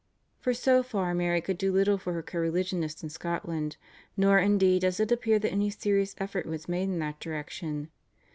For so far Mary could do little for her co religionists in Scotland, nor indeed does it appear that any serious effort was made in that direction.